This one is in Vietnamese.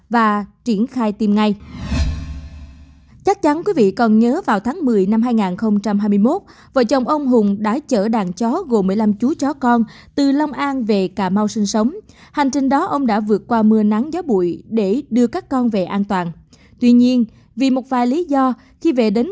và triển khai tìm kiếm